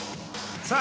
さあ